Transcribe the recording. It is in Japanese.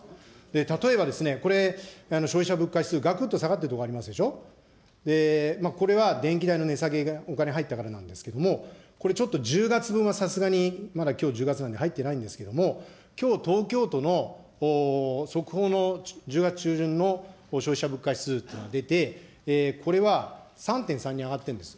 例えばこれ、消費者物価指数がくっと下がってるところがありますでしょ、これは電気代の値下げ、お金入ったからなんですけれども、これ、１０月分はさすがにまだきょう１０月なんで入ってないんですけれども、きょう、東京都の速報の１０月中旬の消費者物価指数というのが出て、これは３．３に上がってるんです。